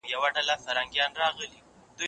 شيان د پلورونکي له خوا پلورل کيږي؟